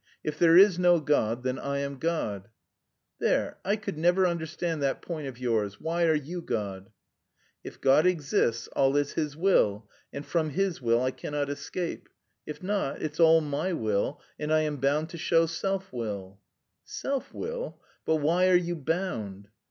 If there is no God, then I am God." "There, I could never understand that point of yours: why are you God?" "If God exists, all is His will and from His will I cannot escape. If not, it's all my will and I am bound to show self will." "Self will? But why are you bound?"